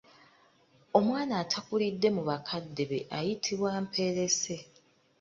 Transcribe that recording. Omwana atakulidde mu bakadde be ayitibwa Mperese.